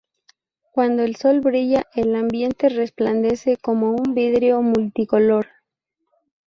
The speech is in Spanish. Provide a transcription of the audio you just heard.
Cuando el sol brilla, el ambiente resplandece como un vidrio multicolor.